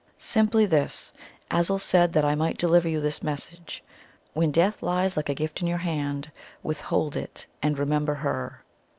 "Simply this. Azul said that I might deliver you this message: When death lies like a gift in your hand, withhold it, and remember her."